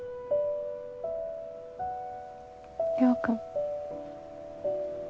亮君。